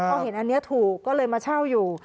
พอเห็นอันนี้ถูกก็เลยมาเช่าอยู่